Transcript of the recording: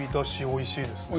おいしいですね。